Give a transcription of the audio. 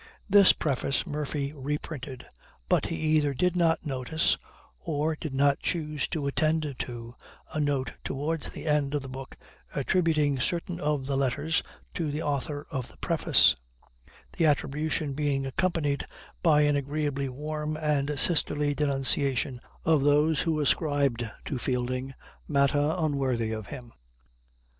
This preface Murphy reprinted; but he either did not notice, or did not choose to attend to, a note towards the end of the book attributing certain of the letters to the author of the preface, the attribution being accompanied by an agreeably warm and sisterly denunciation of those who ascribed to Fielding matter unworthy of him.